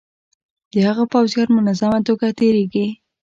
د هغه پوځیان منظمه توګه تیریږي.